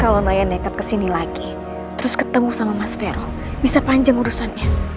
kalau saya deket ke sini lagi terus ketemu sama mas vero bisa panjang urusannya